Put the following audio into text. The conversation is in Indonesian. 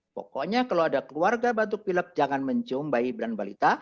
pokoknya kalau ada keluarga batuk pilek jangan mencium bayi dan balita